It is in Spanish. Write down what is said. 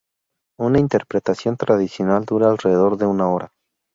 Una interpretación tradicional dura alrededor de una hora.